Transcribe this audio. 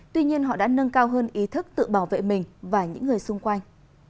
tuy nhiên họ đã nâng cao hơn ý thức tự bảo vệ mình và những người xung quanh